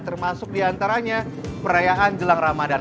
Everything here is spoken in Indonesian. termasuk di antaranya perayaan jelang ramadan